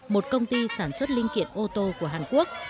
một công ty sản xuất linh kiện ô tô của hàn quốc